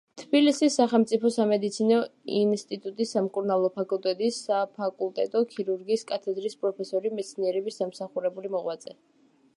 თბილისის სახელმწიფო სამედიცინო ინსტიტუტის სამკურნალო ფაკულტეტის საფაკულტეტო ქირურგიის კათედრის პროფესორი, მეცნიერების დამსახურებული მოღვაწე.